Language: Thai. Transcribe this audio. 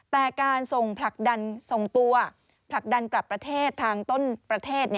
แต่การส่งผลักดันส่งตัวผลักดันกลับประเทศทางต้นประเทศ